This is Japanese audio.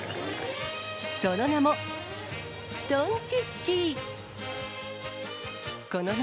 その名も、ドンチッチ。